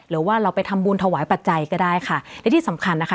หรือว่าเราไปทำบุญถวายปัจจัยก็ได้ค่ะและที่สำคัญนะคะ